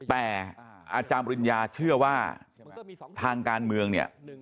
แต่อาจารย์ปริญญาเชื่อว่าทางการเมืองเนี่ย